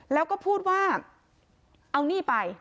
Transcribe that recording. แล้วก็พูดว่าเอาหนี้ไป